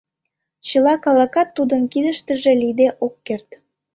Чыла калыкат тудын кидыштыже лийде ок керт.